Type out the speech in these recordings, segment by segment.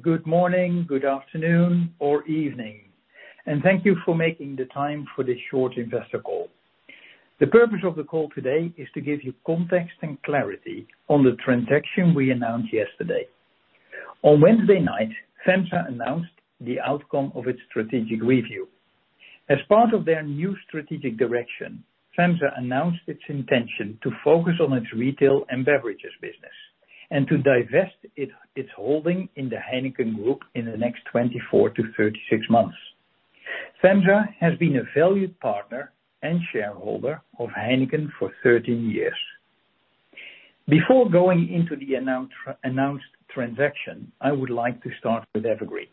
Good morning, good afternoon or evening, thank you for making the time for this short investor call. The purpose of the call today is to give you context and clarity on the transaction we announced yesterday. On Wednesday night, FEMSA announced the outcome of its strategic review. As part of their new strategic direction, FEMSA announced its intention to focus on its retail and beverages business and to divest its holding in the Heineken Group in the next 24 to 36 months. FEMSA has been a valued partner and shareholder of Heineken for 13 years. Before going into the announced transaction, I would like to start with Evergreen.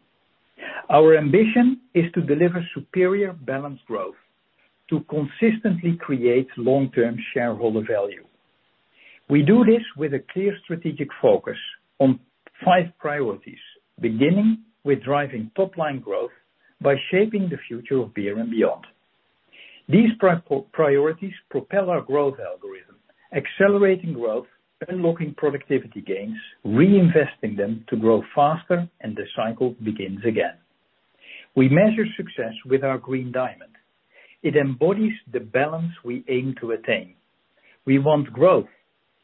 Our ambition is to deliver superior balanced growth to consistently create long-term shareholder value. We do this with a clear strategic focus on five priorities, beginning with driving top-line growth by shaping the future of beer and beyond. These priorities propel our growth algorithm, accelerating growth, unlocking productivity gains, reinvesting them to grow faster. The cycle begins again. We measure success with our Green Diamond. It embodies the balance we aim to attain. We want growth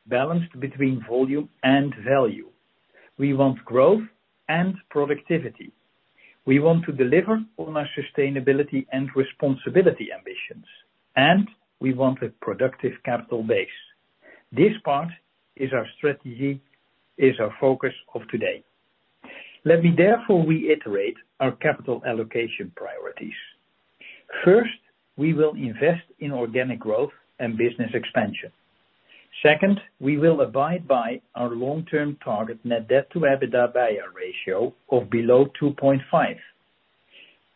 balanced between volume and value. We want growth and productivity. We want to deliver on our sustainability and responsibility ambitions. We want a productive capital base. This part is our strategy, is our focus of today. Let me therefore reiterate our capital allocation priorities. First, we will invest in organic growth and business expansion. Second, we will abide by our long-term target net debt to EBITDA ratio of below 2.5.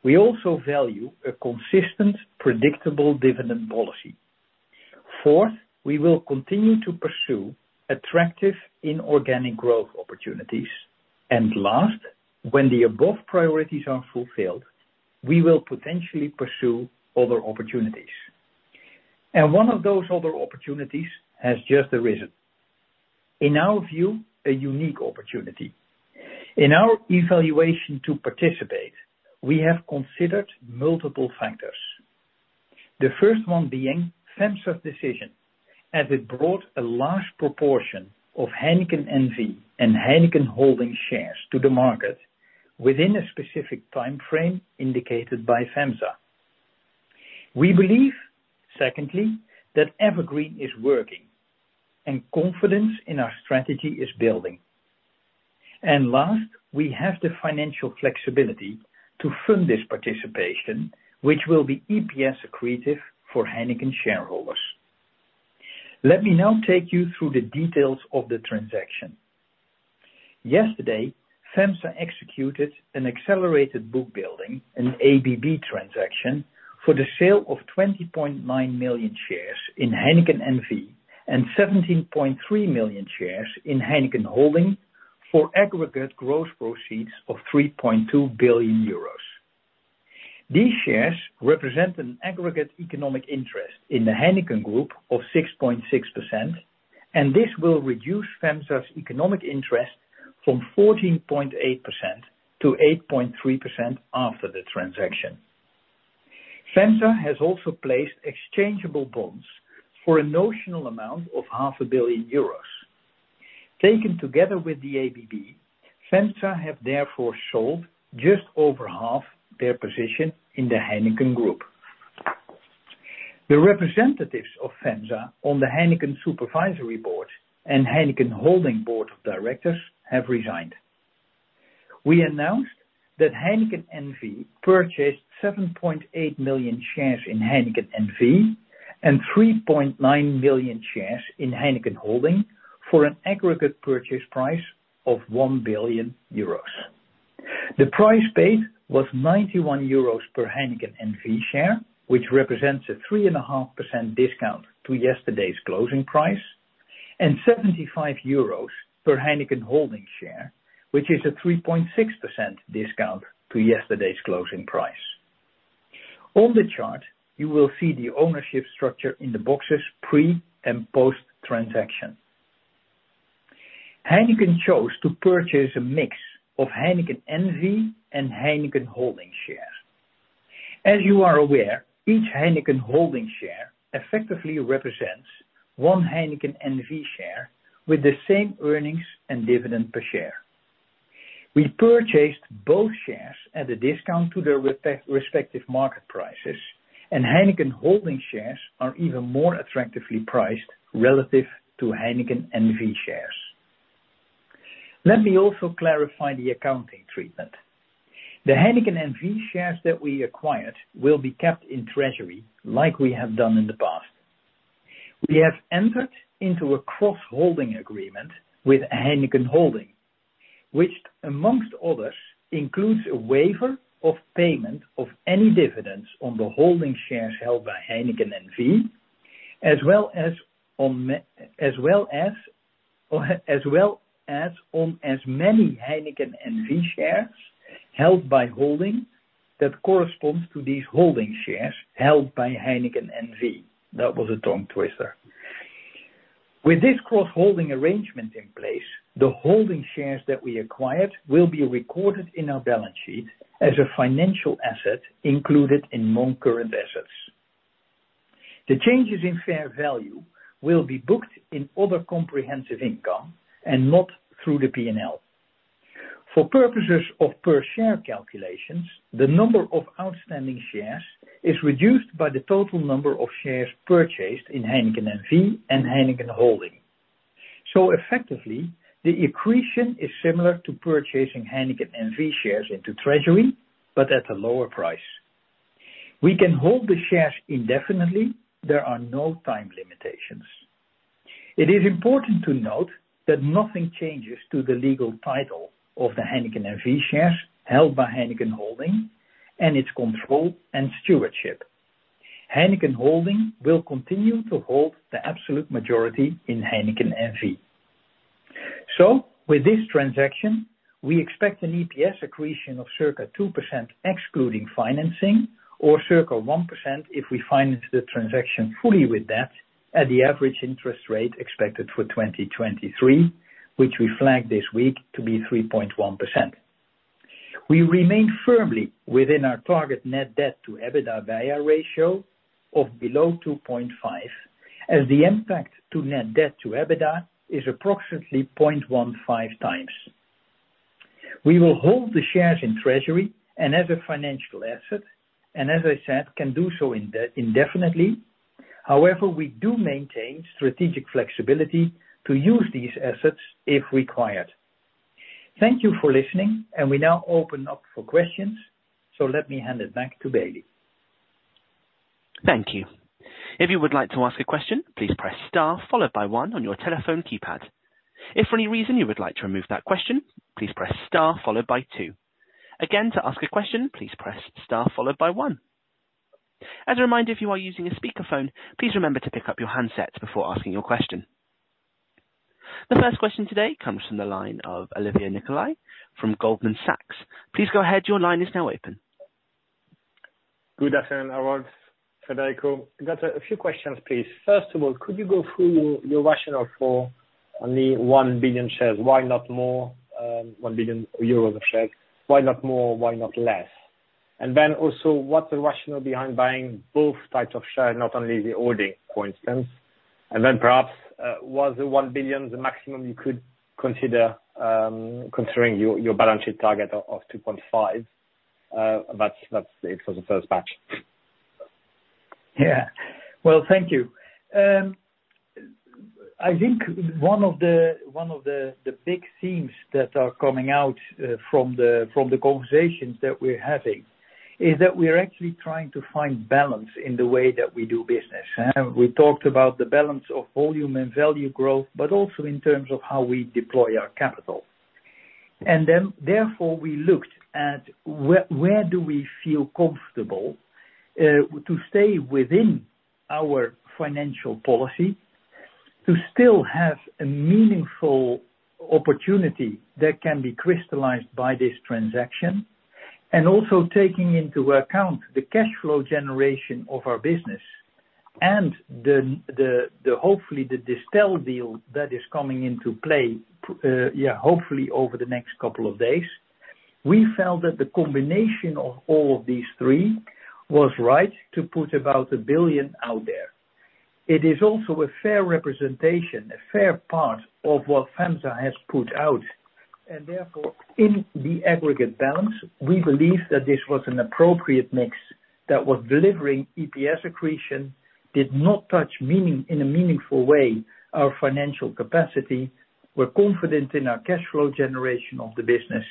We also value a consistent, predictable dividend policy. Fourth, we will continue to pursue attractive inorganic growth opportunities. Last, when the above priorities are fulfilled, we will potentially pursue other opportunities. One of those other opportunities has just arisen. In our view, a unique opportunity. In our evaluation to participate, we have considered multiple factors. The first one being FEMSA's decision, as it brought a large proportion of Heineken N.V. and Heineken Holding shares to the market within a specific time frame indicated by FEMSA. We believe, secondly, that Evergreen is working and confidence in our strategy is building. Last, we have the financial flexibility to fund this participation, which will be EPS accretive for Heineken shareholders. Let me now take you through the details of the transaction. Yesterday, FEMSA executed an accelerated book building, an ABB transaction, for the sale of 20.9 million shares in Heineken N.V. and 17.3 million shares in Heineken Holding for aggregate gross proceeds of 3.2 billion euros. These shares represent an aggregate economic interest in the Heineken Group of 6.6%. This will reduce FEMSA's economic interest from 14.8% to 8.3% after the transaction. FEMSA has also placed exchangeable bonds for a notional amount of 500,000,000 euros. Taken together with the ABB, FEMSA have therefore sold just over half their position in the Heineken Group. The representatives of FEMSA on the Heineken N.V. Supervisory Board and Heineken Holding N.V. Board of Directors have resigned. We announced that Heineken N.V. purchased 7.8 million shares in Heineken N.V. and 3.9 million shares in Heineken Holding N.V. for an aggregate purchase price of 1 billion euros. The price paid was 91 euros per Heineken N.V. share, which represents a 3.5% discount to yesterday's closing price. 75 euros per Heineken Holding share, which is a 3.6% discount to yesterday's closing price. On the chart, you will see the ownership structure in the boxes pre- and post-transaction. Heineken chose to purchase a mix of Heineken N.V. and Heineken Holding shares. As you are aware, each Heineken Holding share effectively represents one Heineken N.V. share with the same earnings and dividend per share. We purchased both shares at a discount to their respective market prices, and Heineken Holding shares are even more attractively priced relative to Heineken N.V. shares. Let me also clarify the accounting treatment. The Heineken N.V. shares that we acquired will be kept in treasury, like we have done in the past. We have entered into a cross-holding agreement with Heineken Holding, which among others, includes a waiver of payment of any dividends on the holding shares held by Heineken N.V., as well as on as many Heineken N.V. shares held by Holding that corresponds to these Holding shares held by Heineken N.V. That was a tongue twister. With this cross-holding arrangement in place, the holding shares that we acquired will be recorded in our balance sheet as a financial asset included in non-current assets. The changes in fair value will be booked in other comprehensive income and not through the P&L. For purposes of per share calculations, the number of outstanding shares is reduced by the total number of shares purchased in Heineken N.V. and Heineken Holding. Effectively, the accretion is similar to purchasing Heineken N.V. shares into treasury, but at a lower price. We can hold the shares indefinitely. There are no time limitations. It is important to note that nothing changes to the legal title of the Heineken N.V. shares held by Heineken Holding N.V. and its control and stewardship. Heineken Holding N.V. will continue to hold the absolute majority in Heineken N.V. With this transaction, we expect an EPS accretion of circa 2% excluding financing, or circa 1% if we finance the transaction fully with debt at the average interest rate expected for 2023, which we flagged this week to be 3.1%. We remain firmly within our target net debt to EBITDA ratio of below 2.5, as the impact to net debt to EBITDA is approximately 0.15x. We will hold the shares in treasury and as a financial asset and as I said, can do so indefinitely. However, we do maintain strategic flexibility to use these assets if required. Thank you for listening and we now open up for questions. Let me hand it back to Bailey. Thank you. If you would like to ask a question, please press star followed by one on your telephone keypad. If for any reason you would like to remove that question, please press star followed by two. Again, to ask a question, please press star followed by one. As a reminder, if you are using a speakerphone, please remember to pick up your handset before asking your question. The first question today comes from the line of Olivier Nicolai from Goldman Sachs. Please go ahead. Your line is now open. Good afternoon, Harold, Federico. Got a few questions, please. First of all, could you go through your rationale for only 1 billion shares? Why not more, 1 billion euros of shares? Why not more? Why not less? What's the rationale behind buying both types of shares, not only the holding, for instance? Perhaps, was the 1 billion the maximum you could consider, considering your balance sheet target of 2.5? That's it for the first batch. Yeah. Well, thank you. I think one of the, one of the big themes that are coming out from the, from the conversations that we're having is that we are actually trying to find balance in the way that we do business. We talked about the balance of volume and value growth, but also in terms of how we deploy our capital. Therefore, we looked at where do we feel comfortable to stay within our financial policy, to still have a meaningful opportunity that can be crystallized by this transaction, and also taking into account the cash flow generation of our business and the, hopefully the Distell deal that is coming into play, yeah, hopefully over the next couple of days. We felt that the combination of all of these three was right to put about 1 billion out there. It is also a fair representation, a fair part of what FEMSA has put out, and therefore, in the aggregate balance, we believe that this was an appropriate mix that was delivering EPS accretion, did not touch in a meaningful way our financial capacity. We're confident in our cash flow generation of the business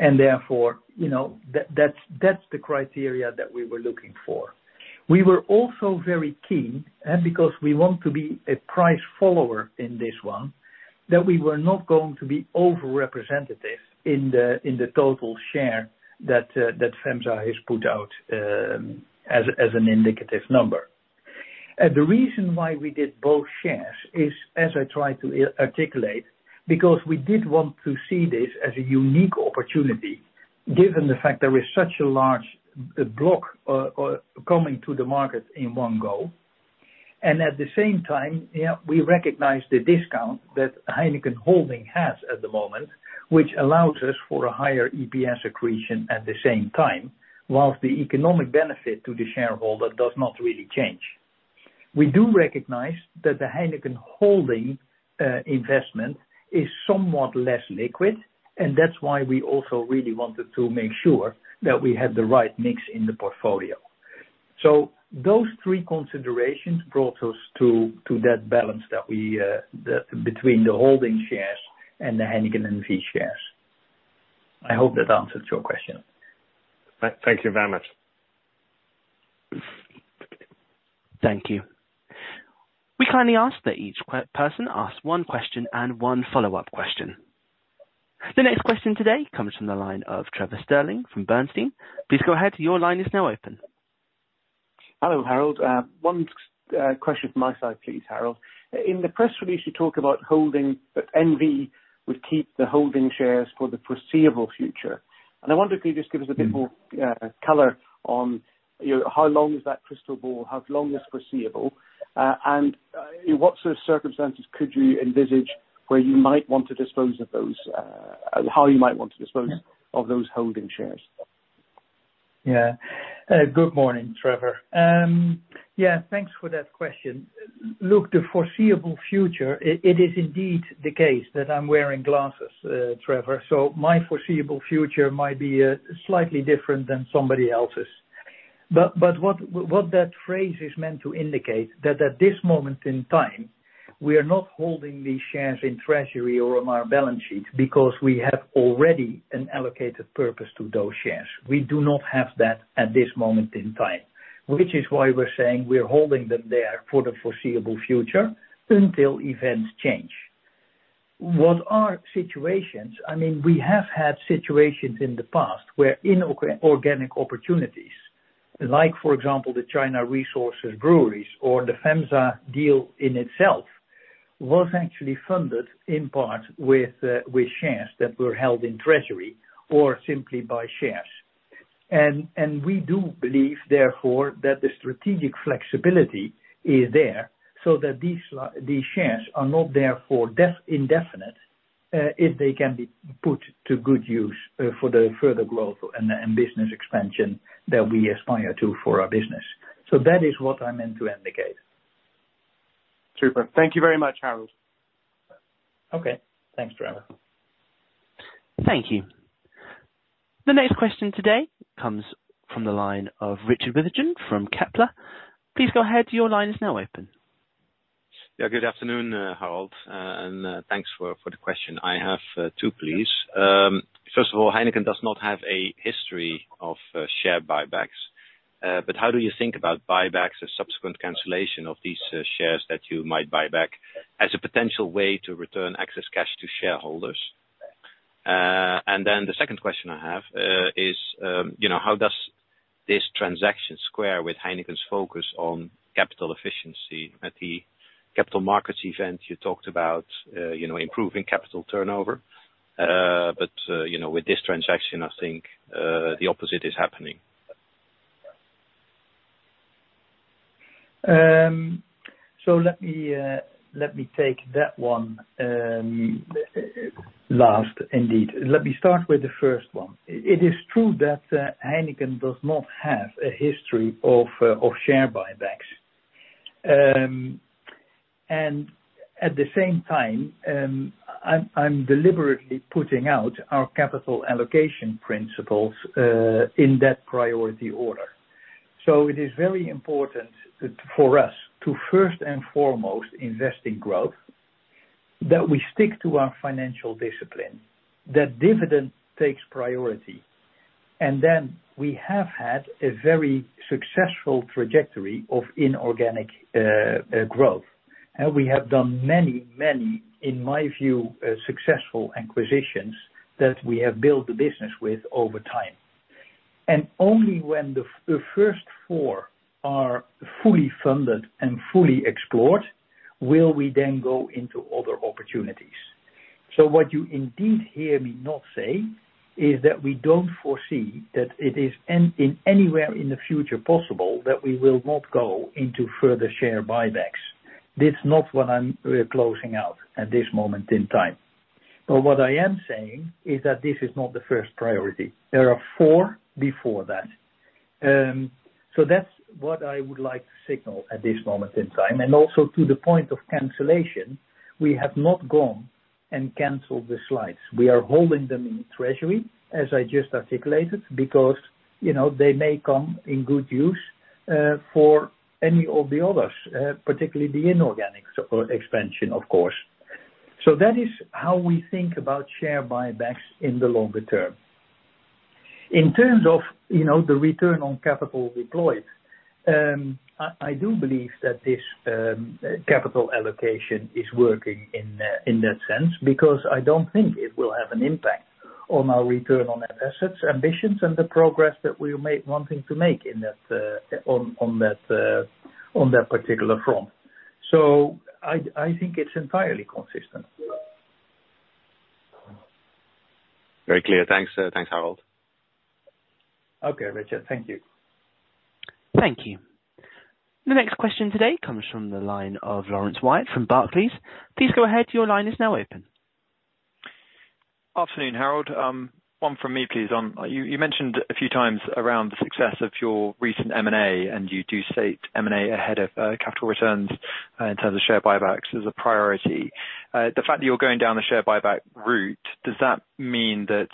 and therefore, you know, that's the criteria that we were looking for. We were also very keen, because we want to be a price follower in this one, that we were not going to be over-representative in the total share that FEMSA has put out, as an indicative number. The reason why we did both shares is, as I tried to articulate, because we did want to see this as a unique opportunity, given the fact there is such a large block coming to the market in one go. At the same time, yeah, we recognize the discount that Heineken Holding has at the moment, which allows us for a higher EPS accretion at the same time, whilst the economic benefit to the shareholder does not really change. We do recognize that the Heineken Holding investment is somewhat less liquid, and that's why we also really wanted to make sure that we had the right mix in the portfolio. Those three considerations brought us to that balance that we that between the holding shares and the Heineken N.V. shares. I hope that answers your question. Thank you very much. Thank you. We kindly ask that each person asks one question and one follow-up question. The next question today comes from the line of Trevor Stirling from Bernstein. Please go ahead. Your line is now open. Hello, Harold. one question from my side, please, Harold. In the press release you talk about holding, that N.V. would keep the holding shares for the foreseeable future. I wonder if you could just give us a bit more color on, you know, how long is that crystal ball, how long is foreseeable? in what sort of circumstances could you Where you might want to dispose of those, how you might want to dispose of those holding shares. Good morning, Trevor. Thanks for that question. Look, the foreseeable future, it is indeed the case that I'm wearing glasses, Trevor, so my foreseeable future might be slightly different than somebody else's. What that phrase is meant to indicate that at this moment in time, we are not holding these shares in treasury or on our balance sheet because we have already an allocated purpose to those shares. We do not have that at this moment in time, which is why we're saying we're holding them there for the foreseeable future until events change. What are situations? I mean, we have had situations in the past where inorganic opportunities, like, for example, the China Resources breweries or the FEMSA deal in itself, was actually funded in part with shares that were held in treasury or simply by shares. We do believe, therefore, that the strategic flexibility is there so that these shares are not there for indefinite, if they can be put to good use, for the further growth and business expansion that we aspire to for our business. That is what I meant to indicate. Super. Thank you very much, Harold. Okay. Thanks, Trevor. Thank you. The next question today comes from the line of Richard Withagen from Kepler. Please go ahead. Your line is now open. Yeah, good afternoon, Harold, and thanks for the question. I have two, please. First of all, Heineken does not have a history of share buybacks. How do you think about buybacks as subsequent cancellation of these shares that you might buy back as a potential way to return excess cash to shareholders? Then the second question I have is, you know, how does this transaction square with Heineken's focus on capital efficiency? At the capital markets event, you talked about, you know, improving capital turnover. You know, with this transaction, I think the opposite is happening. Let me, let me take that one, last indeed. Let me start with the first one. It is true that Heineken does not have a history of share buybacks. At the same time, I'm deliberately putting out our capital allocation principles in that priority order. It is very important that for us to first and foremost invest in growth, that we stick to our financial discipline, that dividend takes priority. Then we have had a very successful trajectory of inorganic growth. We have done many, many, in my view, successful acquisitions that we have built the business with over time. Only when the first four are fully funded and fully explored, will we then go into other opportunities. What you indeed hear me not say is that we don't foresee that it is in anywhere in the future possible that we will not go into further share buybacks. This is not what I'm closing out at this moment in time. What I am saying is that this is not the first priority. There are four before that. That's what I would like to signal at this moment in time. Also to the point of cancellation, we have not gone and canceled the slides. We are holding them in treasury, as I just articulated, because, you know, they may come in good use for any of the others, particularly the inorganic expansion, of course. That is how we think about share buybacks in the longer term. In terms of, you know, the return on capital deployed, I do believe that this capital allocation is working in that sense because I don't think it will have an impact on our return on assets, ambitions, and the progress that we're wanting to make in that on that particular front. I think it's entirely consistent. Very clear. Thanks, thanks, Harold. Okay, Richard. Thank you. Thank you. The next question today comes from the line of Laurence Whyatt from Barclays. Please go ahead. Your line is now open. Afternoon, Harold. One from me, please. You mentioned a few times around the success of your recent M&A, and you do state M&A ahead of capital returns in terms of share buybacks as a priority. The fact that you're going down the share buyback route, does that mean that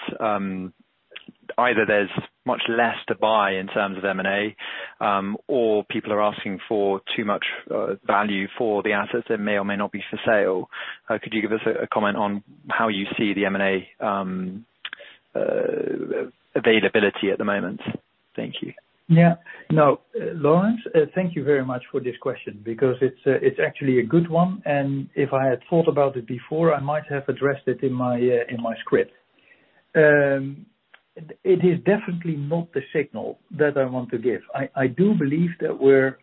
either there's much less to buy in terms of M&A, or people are asking for too much value for the assets that may or may not be for sale? Could you give us a comment on how you see the M&A availability at the moment? Thank you. No, Laurence, thank you very much for this question because it's actually a good one, and if I had thought about it before, I might have addressed it in my script. It is definitely not the signal that I want to give. I do believe that we're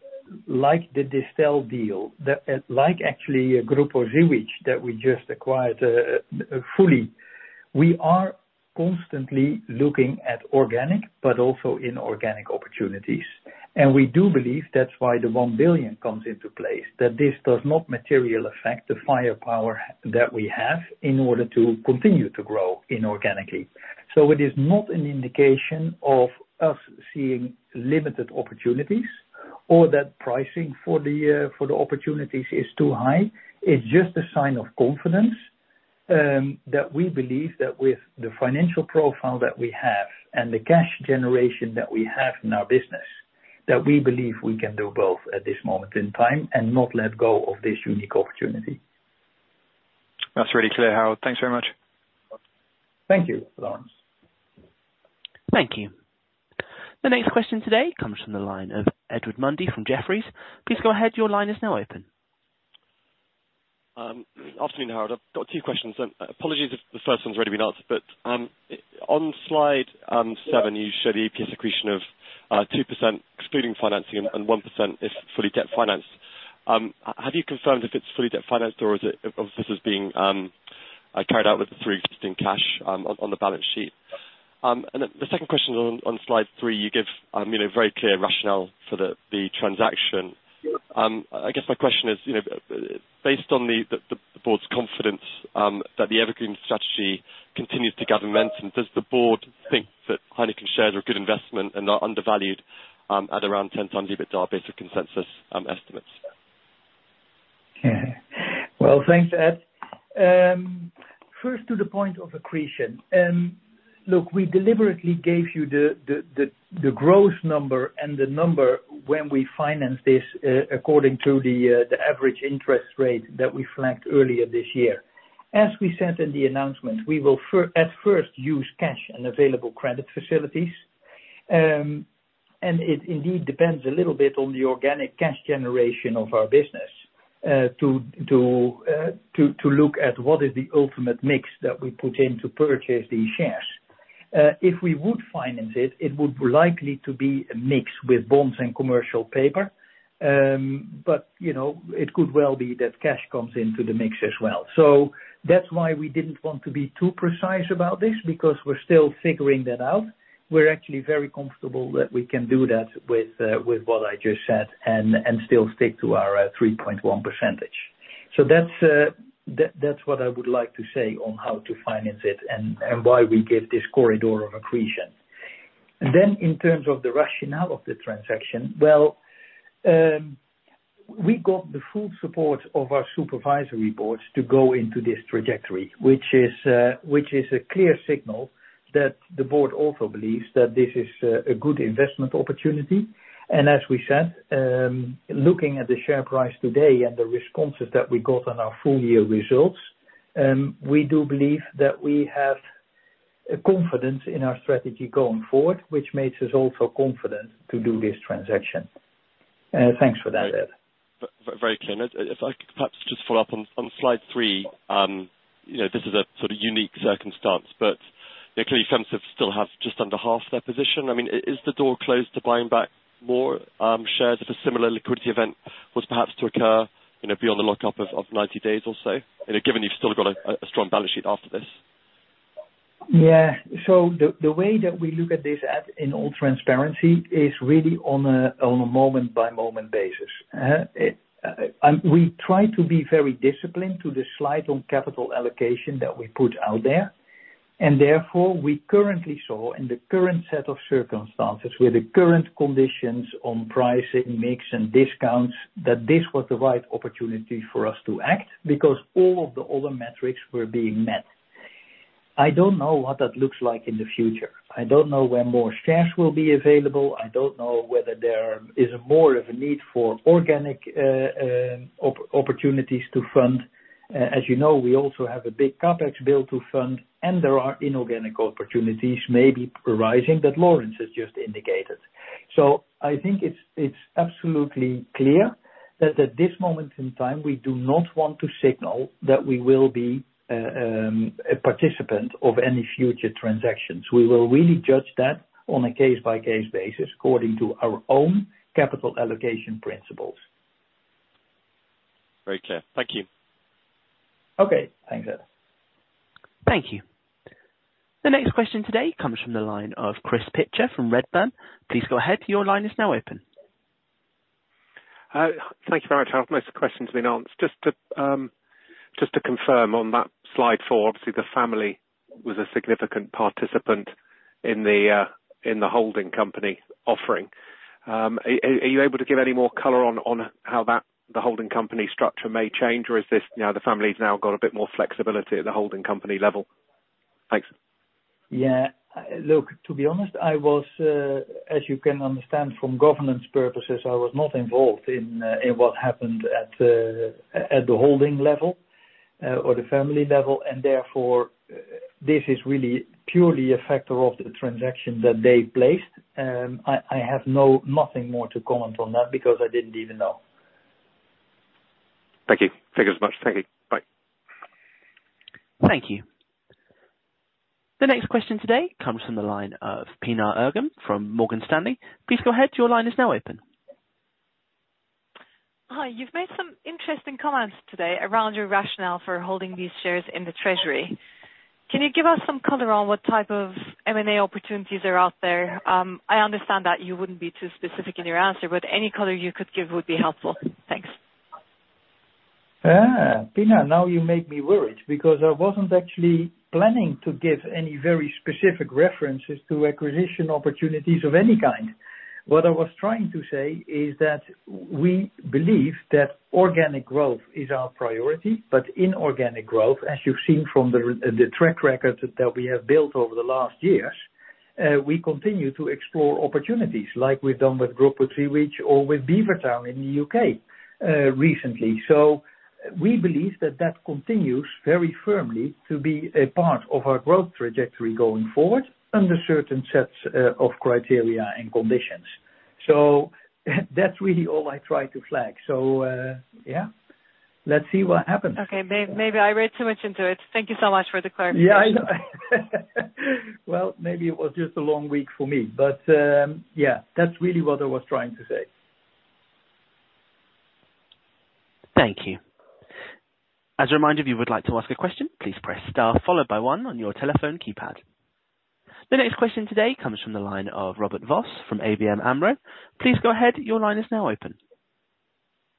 like the Distell deal, that like actually Grupo Zivic, that we just acquired fully. We are constantly looking at organic, but also inorganic opportunities. We do believe that's why the 1 billion comes into play, that this does not materially affect the firepower that we have in order to continue to grow inorganically. It is not an indication of us seeing limited opportunities or that pricing for the opportunities is too high. It's just a sign of confidence, that we believe that with the financial profile that we have and the cash generation that we have in our business, that we believe we can do both at this moment in time and not let go of this unique opportunity. That's really clear, Harold. Thanks very much. Thank you, Laurence. Thank you. The next question today comes from the line of Ed Mundy from Jefferies. Please go ahead. Your line is now open. Afternoon, Harold. I've got two questions. Apologies if the first one's already been answered, but on slide seven, you show the EPS accretion of 2% excluding financing and 1% if fully debt-financed. Have you confirmed if it's fully debt-financed or is it... If this is being carried out with the free cash on the balance sheet? The second question on slide three, you give, you know, very clear rationale for the transaction. I guess my question is, you know, based on the board's confidence that the Evergreen strategy continues to govern momentum, does the board think that Heineken shares are a good investment and not undervalued at around 10x EBITDA basic consensus estimates? Well, thanks, Ed. First to the point of accretion. Look, we deliberately gave you the growth number and the number when we financed this according to the average interest rate that we flagged earlier this year. As we said in the announcement, we will at first use cash and available credit facilities. It indeed depends a little bit on the organic cash generation of our business to look at what is the ultimate mix that we put in to purchase these shares. If we would finance it would likely to be a mix with bonds and commercial paper. You know, it could well be that cash comes into the mix as well. That's why we didn't want to be too precise about this, because we're still figuring that out. We're actually very comfortable that we can do that with what I just said and still stick to our 3.1%. That's what I would like to say on how to finance it and why we give this corridor of accretion. In terms of the rationale of the transaction, well, we got the full support of our Supervisory Boards to go into this trajectory, which is a clear signal that the board also believes that this is a good investment opportunity. As we said, looking at the share price today and the responses that we got on our full year results, we do believe that we have a confidence in our strategy going forward, which makes us also confident to do this transaction. Thanks for that, Ed. Very clear. If I could perhaps just follow up on slide three. you know, this is a sort of unique circumstance, but clearly, FEMSA still have just under half their position. I mean, is the door closed to buying back more shares if a similar liquidity event was perhaps to occur, you know, beyond the lockup of 90 days or so, you know, given you've still got a strong balance sheet after this? The way that we look at this, Ed, in all transparency, is really on a moment by moment basis. We try to be very disciplined to the slide on capital allocation that we put out there, and therefore, we currently saw in the current set of circumstances, with the current conditions on pricing, mix, and discounts, that this was the right opportunity for us to act because all of the other metrics were being met. I don't know what that looks like in the future. I don't know when more shares will be available. I don't know whether there is more of a need for organic opportunities to fund. As you know, we also have a big CapEx bill to fund, and there are inorganic opportunities maybe arising that Laurence has just indicated. I think it's absolutely clear that at this moment in time, we do not want to signal that we will be a participant of any future transactions. We will really judge that on a case by case basis according to our own capital allocation principles. Very clear. Thank you. Okay. Thanks, Ed. Thank you. The next question today comes from the line of Chris Pitcher from Redburn. Please go ahead. Your line is now open. Thank you very much, Harold. Most of the questions have been answered. Just to confirm on that slide four, obviously, the family was a significant participant in the holding company offering. Are you able to give any more color on how that, the holding company structure may change? Or is this, you know, the family's now got a bit more flexibility at the holding company level? Thanks. Yeah. Look, to be honest, I was, as you can understand from governance purposes, I was not involved in what happened at the holding level or the family level, this is really purely a factor of the transaction that they placed. I have nothing more to comment on that because I didn't even know. Thank you. Thank you as much. Thank you. Bye. Thank you. The next question today comes from the line of Sarah Simon from Morgan Stanley. Please go ahead. Your line is now open. Hi, you've made some interesting comments today around your rationale for holding these shares in the treasury. Can you give us some color on what type of M&A opportunities are out there? I understand that you wouldn't be too specific in your answer, but any color you could give would be helpful. Thanks. Sarah, now you make me worried because I wasn't actually planning to give any very specific references to acquisition opportunities of any kind. What I was trying to say is that we believe that organic growth is our priority, but inorganic growth, as you've seen from the track record that we have built over the last years, we continue to explore opportunities like we've done with Grupo Zivic or with Beavertown in the U.K., recently. We believe that that continues very firmly to be a part of our growth trajectory going forward under certain sets of criteria and conditions. That's really all I try to flag. Yeah, let's see what happens. Okay. Maybe I read too much into it. Thank you so much for the clarification. Yeah. Well, maybe it was just a long week for me, but, yeah, that's really what I was trying to say. Thank you. As a reminder, if you would like to ask a question, please press star followed by one on your telephone keypad. The next question today comes from the line of Robert Vos from ABN AMRO. Please go ahead. Your line is now open.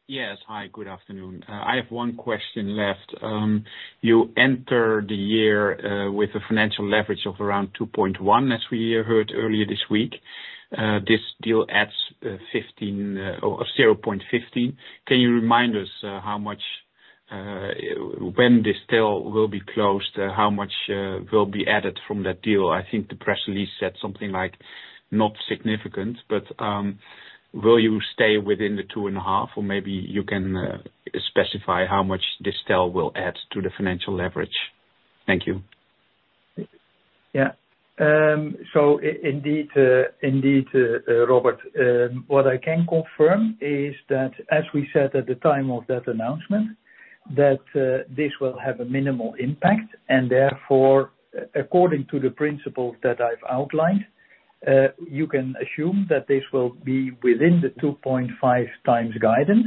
Yes. Hi, good afternoon. I have one question left. You enter the year with a financial leverage of around 2.1, as we heard earlier this week. This deal adds 15, or 0.15. Can you remind us how much when this deal will be closed, how much will be added from that deal? I think the press release said something like not significant, but, will you stay within the 2.5 or maybe you can specify how much this deal will add to the financial leverage? Thank you. Yeah. Indeed, indeed, Robert, what I can confirm is that as we said at the time of that announcement, that this will have a minimal impact, and therefore, according to the principles that I've outlined, you can assume that this will be within the 2.5x guidance.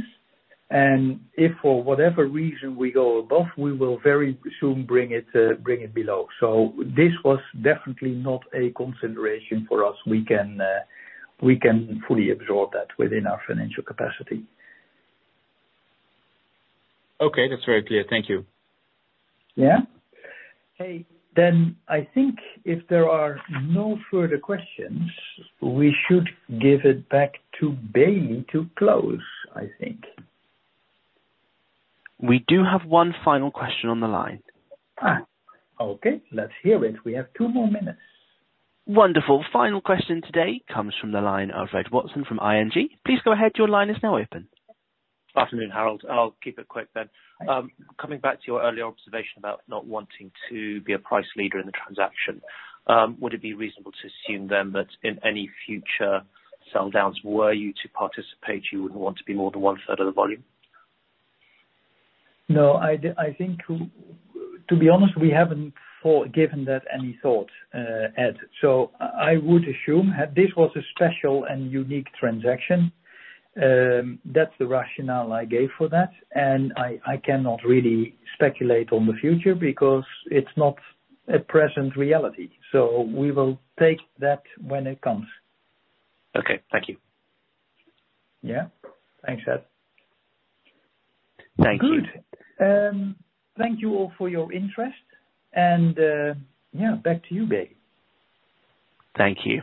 If for whatever reason we go above, we will very soon bring it below. This was definitely not a consideration for us. We can, we can fully absorb that within our financial capacity. Okay. That's very clear. Thank you. Yeah. Hey, I think if there are no further questions, we should give it back to Bailey to close, I think. We do have one final question on the line. Okay. Let's hear it. We have two more minutes. Wonderful. Final question today comes from the line of Ed Watson from ING. Please go ahead. Your line is now open. Afternoon, Harold. I'll keep it quick then. Coming back to your earlier observation about not wanting to be a price leader in the transaction, would it be reasonable to assume then that in any future sell downs were you to participate, you wouldn't want to be more than 1/3 of the volume? No, I think to be honest, we haven't thought, given that any thought, Ed. I would assume that this was a special and unique transaction. That's the rationale I gave for that. I cannot really speculate on the future because it's not a present reality. We will take that when it comes. Okay. Thank you. Yeah. Thanks, Ed. Thank you. Good. Thank you all for your interest and back to you, Bailey. Thank you.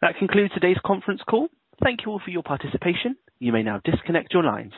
That concludes today's conference call. Thank you all for your participation. You may now disconnect your lines.